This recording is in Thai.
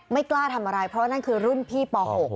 ไม่กล้าทำอะไรเพราะว่านั่นคือรุ่นพี่ป๖